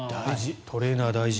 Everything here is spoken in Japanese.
トレーナー大事。